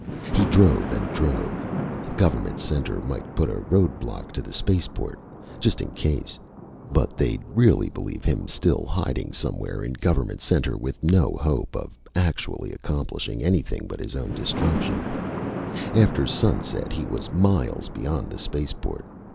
He drove. And drove. Government Center might put a road block to the spaceport, just in case. But they'd really believe him still hiding somewhere in Government Center with no hope of actually accomplishing anything but his own destruction. After sunset he was miles beyond the spaceport.